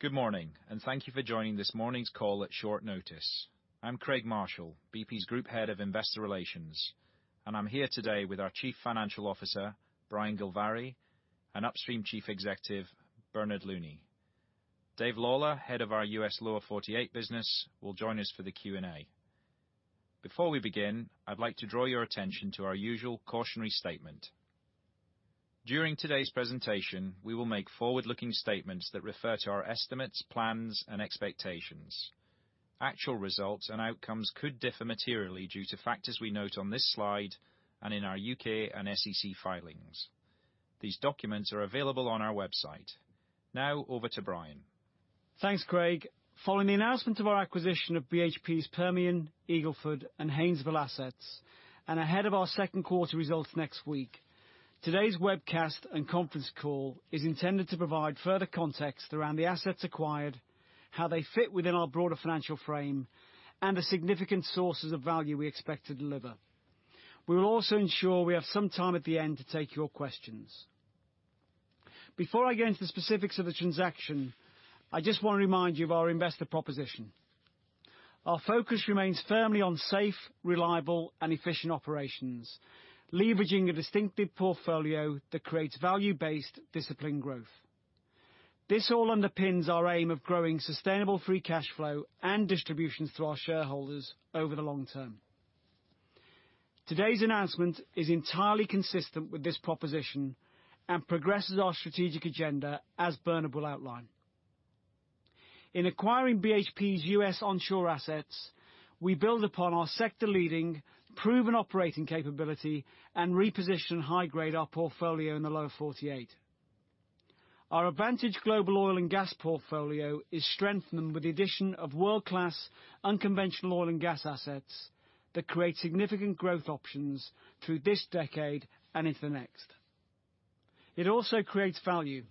Good morning. Thank you for joining this morning's call at short notice. I'm Craig Marshall, BP's Group Head of Investor Relations. I'm here today with our Chief Financial Officer, Brian Gilvary, and Upstream Chief Executive, Bernard Looney. Dave Lawler, head of our U.S. Lower 48 business, will join us for the Q&A. Before we begin, I'd like to draw your attention to our usual cautionary statement. During today's presentation, we will make forward-looking statements that refer to our estimates, plans, and expectations. Actual results and outcomes could differ materially due to factors we note on this slide and in our U.K. and SEC filings. These documents are available on our website. Over to Brian. Thanks, Craig. Following the announcement of our acquisition of BHP's Permian, Eagle Ford, and Haynesville assets, and ahead of our second quarter results next week, today's webcast and conference call is intended to provide further context around the assets acquired, how they fit within our broader financial frame, and the significant sources of value we expect to deliver. We will also ensure we have some time at the end to take your questions. Before I get into the specifics of the transaction, I just want to remind you of our investor proposition. Our focus remains firmly on safe, reliable, and efficient operations, leveraging a distinctive portfolio that creates value-based, disciplined growth. This all underpins our aim of growing sustainable free cash flow and distributions to our shareholders over the long term. Today's announcement is entirely consistent with this proposition and progresses our strategic agenda, as Bernard will outline. In acquiring BHP's U.S. onshore assets, we build upon our sector-leading, proven operating capability and reposition high-grade our portfolio in the Lower 48. Our advantage global oil and gas portfolio is strengthened with the addition of world-class unconventional oil and gas assets that create significant growth options through this decade and into the next. It also creates value.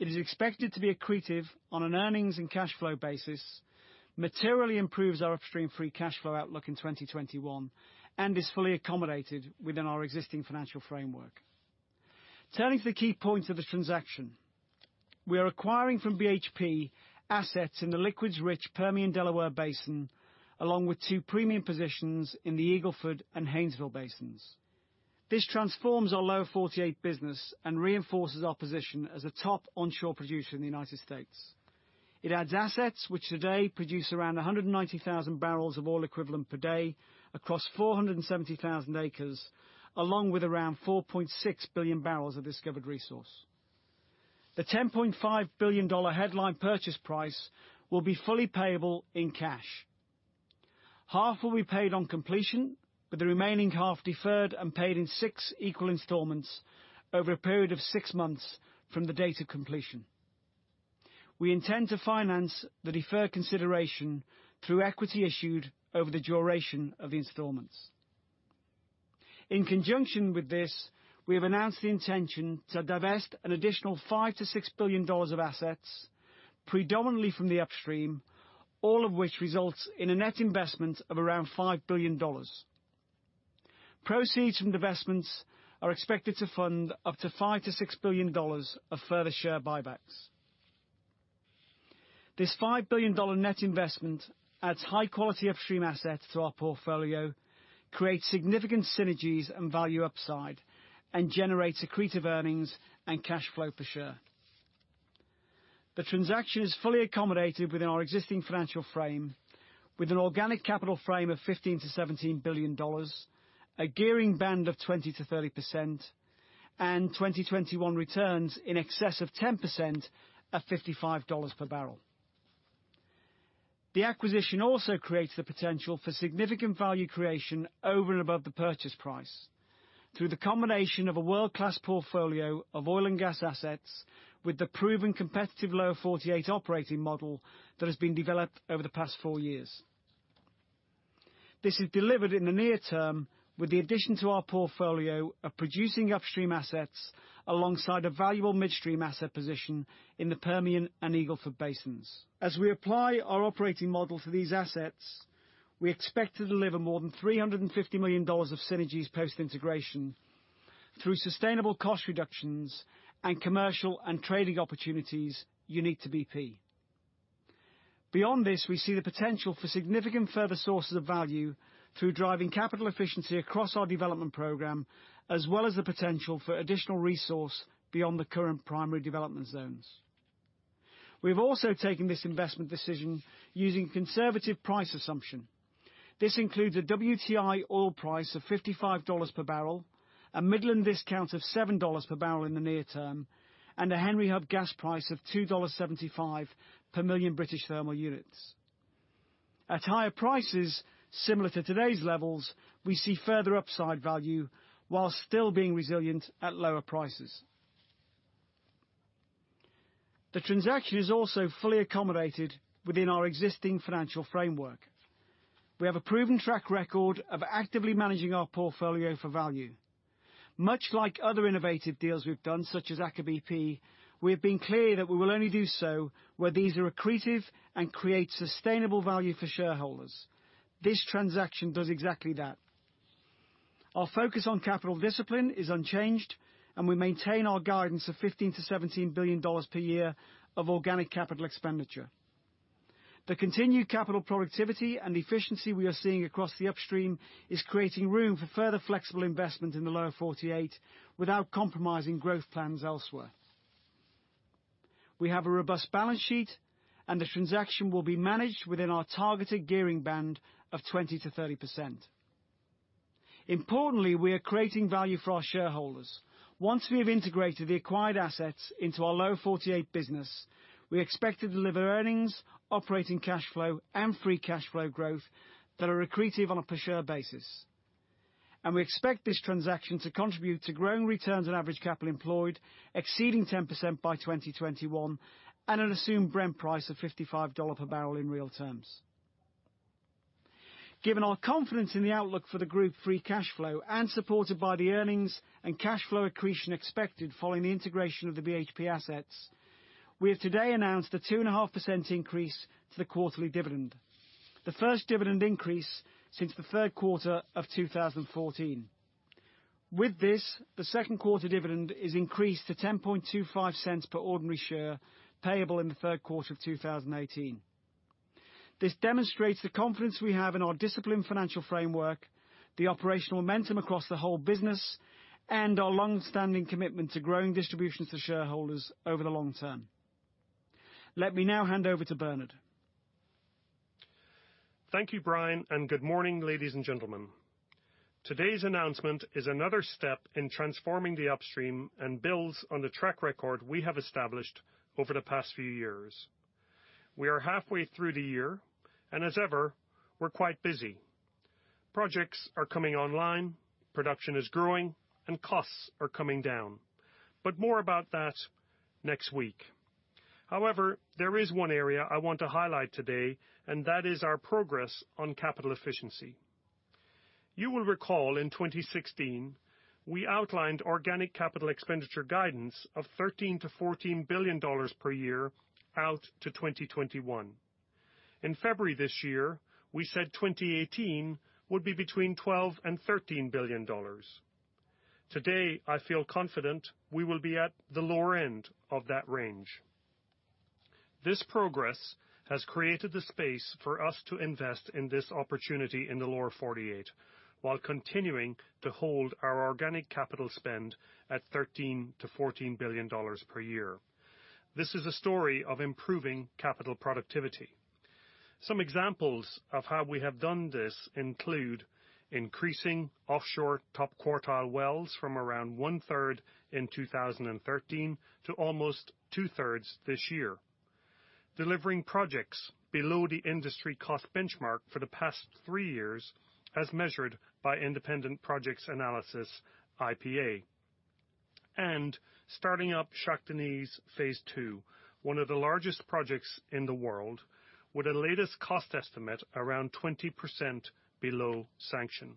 It is expected to be accretive on an earnings and cash flow basis, materially improves our upstream free cash flow outlook in 2021, and is fully accommodated within our existing financial framework. Turning to the key points of the transaction. We are acquiring from BHP assets in the liquids-rich Permian Delaware Basin, along with two premium positions in the Eagle Ford and Haynesville basins. This transforms our Lower 48 business and reinforces our position as a top onshore producer in the United States. It adds assets which today produce around 190,000 barrels of oil equivalent per day across 470,000 acres, along with around 4.6 billion barrels of discovered resource. The $10.5 billion headline purchase price will be fully payable in cash. Half will be paid on completion, with the remaining half deferred and paid in six equal installments over a period of six months from the date of completion. We intend to finance the deferred consideration through equity issued over the duration of the installments. In conjunction with this, we have announced the intention to divest an additional $5 billion-$6 billion of assets, predominantly from the upstream, all of which results in a net investment of around $5 billion. Proceeds from divestments are expected to fund up to $5 billion-$6 billion of further share buybacks. This $5 billion net investment adds high-quality upstream assets to our portfolio, creates significant synergies and value upside, and generates accretive earnings and cash flow per share. The transaction is fully accommodated within our existing financial frame with an organic capital frame of $15 billion-$17 billion, a gearing band of 20%-30%, and 2021 returns in excess of 10% at $55 per barrel. The acquisition also creates the potential for significant value creation over and above the purchase price through the combination of a world-class portfolio of oil and gas assets with the proven competitive Lower 48 operating model that has been developed over the past four years. This is delivered in the near term with the addition to our portfolio of producing upstream assets alongside a valuable midstream asset position in the Permian and Eagle Ford basins. As we apply our operating model to these assets, we expect to deliver more than $350 million of synergies post-integration through sustainable cost reductions and commercial and trading opportunities unique to BP. Beyond this, we see the potential for significant further sources of value through driving capital efficiency across our development program, as well as the potential for additional resource beyond the current primary development zones. We've also taken this investment decision using conservative price assumption. This includes a WTI oil price of $55 per barrel, a Midland discount of $7 per barrel in the near term, and a Henry Hub gas price of $2.75 per million British thermal units. At higher prices, similar to today's levels, we see further upside value while still being resilient at lower prices. The transaction is also fully accommodated within our existing financial framework. We have a proven track record of actively managing our portfolio for value. Much like other innovative deals we've done, such as Aker BP, we have been clear that we will only do so where these are accretive and create sustainable value for shareholders. This transaction does exactly that. Our focus on capital discipline is unchanged, and we maintain our guidance of $15 billion-$17 billion per year of organic capital expenditure. The continued capital productivity and efficiency we are seeing across the Upstream is creating room for further flexible investment in the Lower 48 without compromising growth plans elsewhere. We have a robust balance sheet, and the transaction will be managed within our targeted gearing band of 20%-30%. Importantly, we are creating value for our shareholders. Once we have integrated the acquired assets into our Lower 48 business, we expect to deliver earnings, operating cash flow, and free cash flow growth that are accretive on a per-share basis. We expect this transaction to contribute to growing returns on average capital employed, exceeding 10% by 2021, and an assumed Brent price of $55 per barrel in real terms. Given our confidence in the outlook for the group free cash flow and supported by the earnings and cash flow accretion expected following the integration of the BHP assets, we have today announced a 2.5% increase to the quarterly dividend, the first dividend increase since the third quarter of 2014. With this, the second-quarter dividend is increased to $0.1025 per ordinary share payable in the third quarter of 2018. This demonstrates the confidence we have in our disciplined financial framework, the operational momentum across the whole business, and our longstanding commitment to growing distributions to shareholders over the long term. Let me now hand over to Bernard. Thank you, Brian, good morning, ladies and gentlemen. Today's announcement is another step in transforming the Upstream and builds on the track record we have established over the past few years. We are halfway through the year, and as ever, we're quite busy. Projects are coming online, production is growing, and costs are coming down. More about that next week. However, there is one area I want to highlight today, and that is our progress on capital efficiency. You will recall in 2016, we outlined organic capital expenditure guidance of $13 billion-$14 billion per year out to 2021. In February this year, we said 2018 would be between $12 billion and $13 billion. Today, I feel confident we will be at the lower end of that range. This progress has created the space for us to invest in this opportunity in the Lower 48 while continuing to hold our organic capital spend at $13 billion-$14 billion per year. This is a story of improving capital productivity. Some examples of how we have done this include increasing offshore top quartile wells from around one-third in 2013 to almost two-thirds this year. Delivering projects below the industry cost benchmark for the past three years as measured by Independent Projects Analysis, IPA. Starting up Shah Deniz Phase 2, one of the largest projects in the world, with the latest cost estimate around 20% below sanction.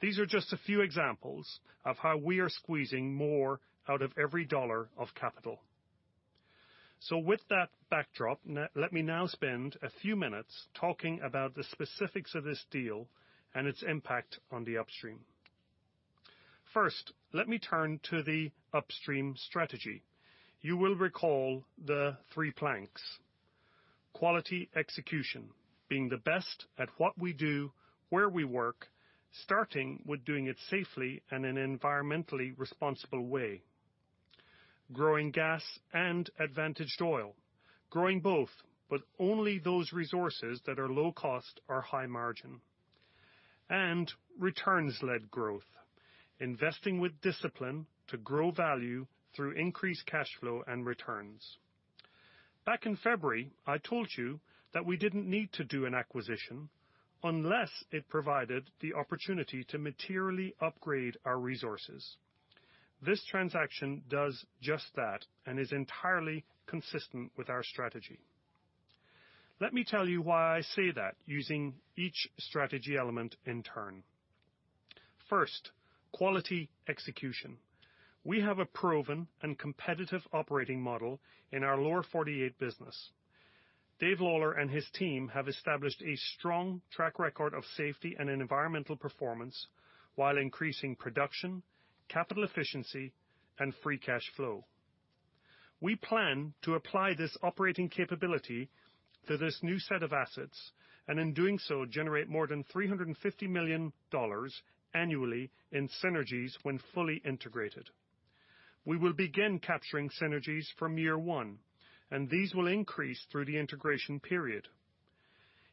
These are just a few examples of how we are squeezing more out of every dollar of capital. With that backdrop, let me now spend a few minutes talking about the specifics of this deal and its impact on the Upstream. First, let me turn to the Upstream strategy. You will recall the three planks. Quality execution, being the best at what we do, where we work, starting with doing it safely and in an environmentally responsible way. Growing gas and advantaged oil. Growing both, but only those resources that are low cost are high margin. Returns-led growth. Investing with discipline to grow value through increased cash flow and returns. Back in February, I told you that we didn't need to do an acquisition unless it provided the opportunity to materially upgrade our resources. This transaction does just that and is entirely consistent with our strategy. Let me tell you why I say that using each strategy element in turn. First, quality execution. We have a proven and competitive operating model in our Lower 48 business. Dave Lawler and his team have established a strong track record of safety and environmental performance while increasing production, capital efficiency, and free cash flow. We plan to apply this operating capability to this new set of assets, and in doing so, generate more than $350 million annually in synergies when fully integrated. We will begin capturing synergies from year one, and these will increase through the integration period.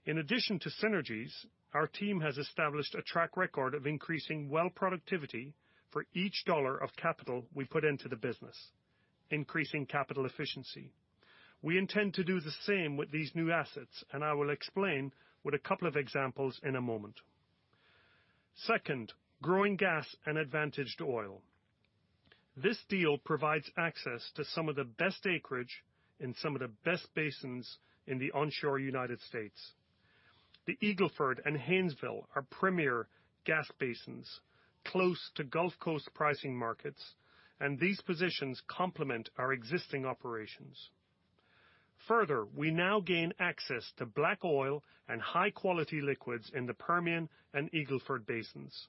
In addition to synergies, our team has established a track record of increasing well productivity for each dollar of capital we put into the business, increasing capital efficiency. We intend to do the same with these new assets, and I will explain with a couple of examples in a moment. Second, growing gas and advantaged oil. This deal provides access to some of the best acreage in some of the best basins in the onshore United States. The Eagle Ford and Haynesville are premier gas basins close to Gulf Coast pricing markets, these positions complement our existing operations. Further, we now gain access to black oil and high-quality liquids in the Permian and Eagle Ford basins.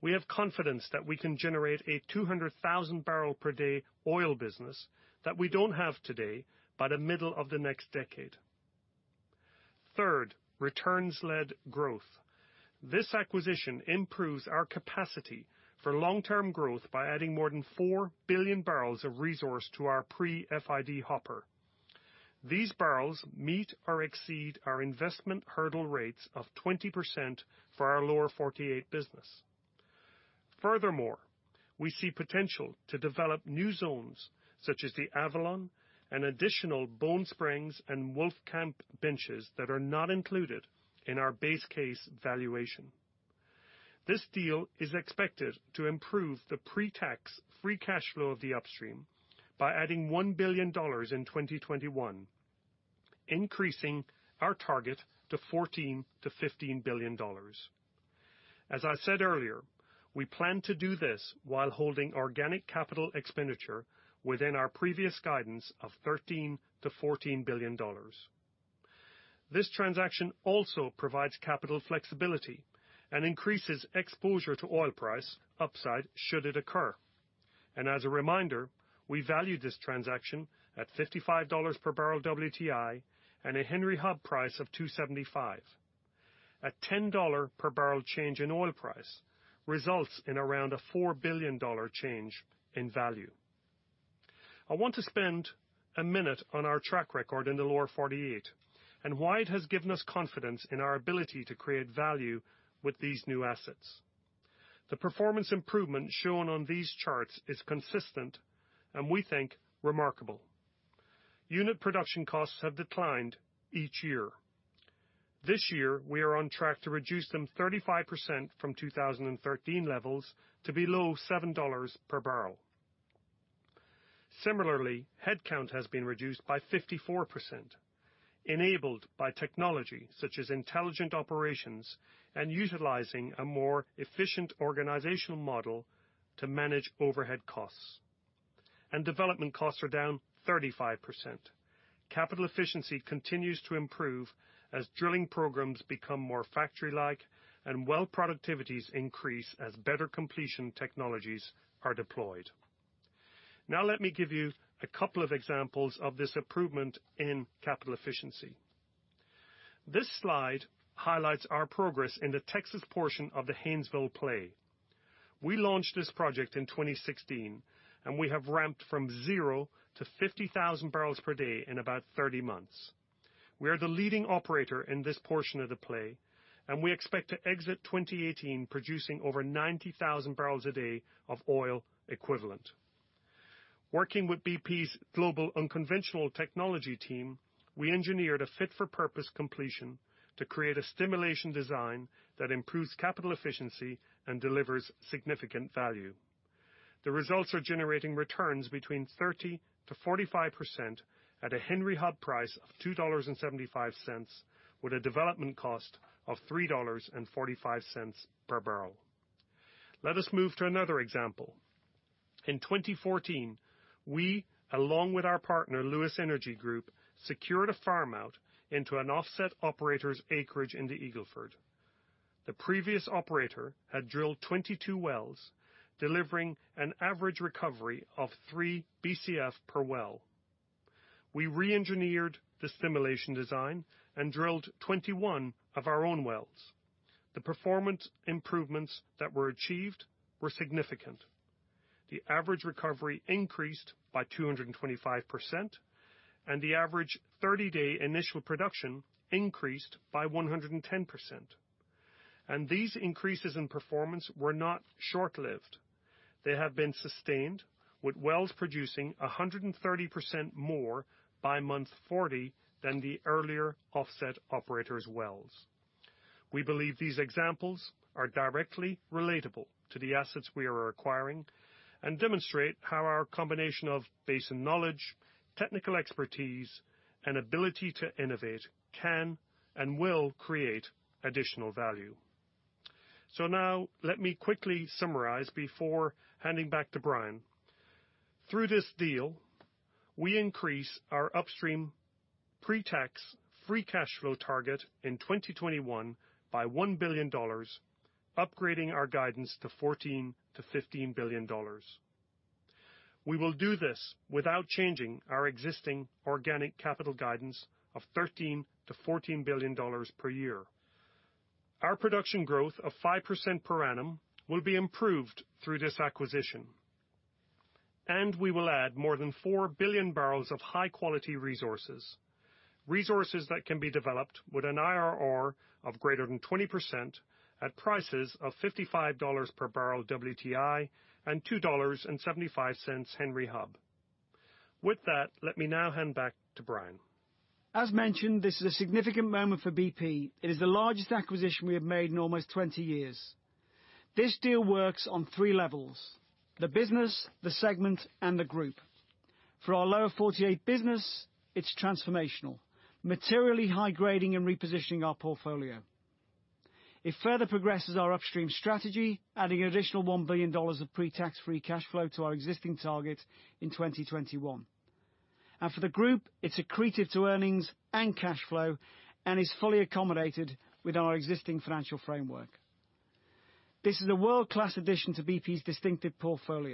We have confidence that we can generate a 200,000 barrel per day oil business that we don't have today by the middle of the next decade. Third, returns-led growth. This acquisition improves our capacity for long-term growth by adding more than four billion barrels of resource to our pre-FID hopper. These barrels meet or exceed our investment hurdle rates of 20% for our Lower 48 business. Furthermore, we see potential to develop new zones such as the Avalon and additional Bone Springs and Wolfcamp benches that are not included in our base case valuation. This deal is expected to improve the pre-tax free cash flow of the upstream by adding $1 billion in 2021, increasing our target to $14 billion-$15 billion. As I said earlier, we plan to do this while holding organic capital expenditure within our previous guidance of $13 billion-$14 billion. This transaction also provides capital flexibility and increases exposure to oil price upside should it occur. As a reminder, we value this transaction at $55 per barrel WTI and a Henry Hub price of $2.75. A $10 per barrel change in oil price results in around a $4 billion change in value. I want to spend a minute on our track record in the Lower 48 and why it has given us confidence in our ability to create value with these new assets. The performance improvement shown on these charts is consistent and we think remarkable. Unit production costs have declined each year. This year, we are on track to reduce them 35% from 2013 levels to below $7 per barrel. Similarly, headcount has been reduced by 54%, enabled by technology such as intelligent operations and utilizing a more efficient organizational model to manage overhead costs. Development costs are down 35%. Capital efficiency continues to improve as drilling programs become more factory-like and well productivities increase as better completion technologies are deployed. Now let me give you a couple of examples of this improvement in capital efficiency. This slide highlights our progress in the Texas portion of the Haynesville Play. We launched this project in 2016, and we have ramped from zero to 50,000 barrels per day in about 30 months. We are the leading operator in this portion of the play, and we expect to exit 2018 producing over 90,000 barrels a day of oil equivalent. Working with BP's Global Unconventional Technology team, we engineered a fit-for-purpose completion to create a stimulation design that improves capital efficiency and delivers significant value. The results are generating returns between 30%-45% at a Henry Hub price of $2.75, with a development cost of $3.45 per barrel. Let us move to another example. In 2014, we along with our partner, Lewis Energy Group, secured a farm-out into an offset operator's acreage in the Eagle Ford. The previous operator had drilled 22 wells, delivering an average recovery of 3 Bcf per well. We re-engineered the stimulation design and drilled 21 of our own wells. The performance improvements that were achieved were significant. The average recovery increased by 225%, and the average 30-day initial production increased by 110%. These increases in performance were not short-lived. They have been sustained with wells producing 130% more by month 40 than the earlier offset operators' wells. We believe these examples are directly relatable to the assets we are acquiring and demonstrate how our combination of basin knowledge, technical expertise, and ability to innovate can and will create additional value. Now let me quickly summarize before handing back to Brian. Through this deal, we increase our upstream pre-tax free cash flow target in 2021 by $1 billion, upgrading our guidance to $14 billion-$15 billion. We will do this without changing our existing organic capital guidance of $13 billion-$14 billion per year. Our production growth of 5% per annum will be improved through this acquisition. We will add more than 4 billion barrels of high-quality resources that can be developed with an IRR of greater than 20% at prices of $55 per barrel WTI and $2.75 Henry Hub. With that, let me now hand back to Brian. As mentioned, this is a significant moment for BP. It is the largest acquisition we have made in almost 20 years. This deal works on 3 levels: the business, the segment, and the group. For our Lower 48 business, it's transformational, materially high-grading and repositioning our portfolio. It further progresses our upstream strategy, adding an additional $1 billion of pre-tax free cash flow to our existing target in 2021. For the group, it's accretive to earnings and cash flow and is fully accommodated with our existing financial framework. This is a world-class addition to BP's distinctive portfolio